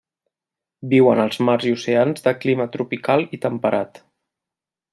Viuen als mars i oceans de clima tropical i temperat.